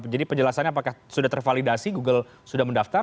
jadi penjelasannya apakah sudah tervalidasi google sudah mendaftar